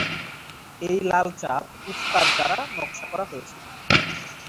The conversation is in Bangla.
এটি লাল চাঁদ উস্তাদ দ্বারা নকশা করা হয়েছিল।